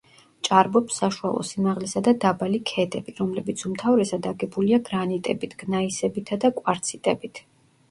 ჭარბობს საშუალო სიმაღლისა და დაბალი ქედები, რომლებიც უმთავრესად აგებულია გრანიტებით, გნაისებითა და კვარციტებით.